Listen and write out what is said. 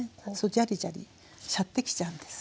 ジャリジャリしゃってきちゃうんです。